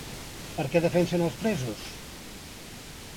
Per què defensen els presos?